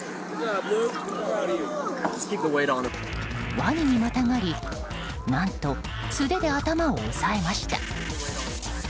ワニにまたがり、なんと素手で頭を押さえました。